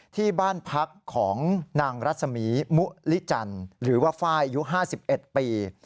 ที่บ้านพักของนางรัศมีมุลิจันทร์หรือว่าไฟล์อายุ๕๑ปี